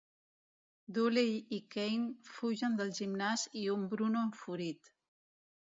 Dooley i Kane fugen del gimnàs i un Bruno Enfurit.